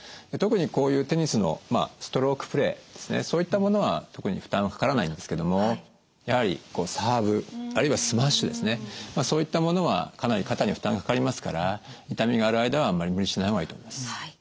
特にこういうテニスのストロークプレーですねそういったものは特に負担はかからないんですけどもやはりサーブあるいはスマッシュですねそういったものはかなり肩に負担がかかりますから痛みがある間はあんまり無理しない方がいいと思います。